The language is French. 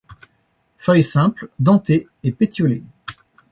Feuilles simples, dentées et pétiolées.